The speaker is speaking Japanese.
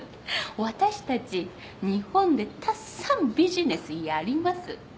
ワタシたち日本でたっさんビジネスやります。